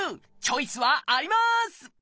チョイスはあります！